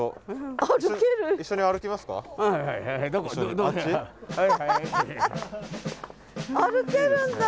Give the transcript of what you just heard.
歩けるんだ。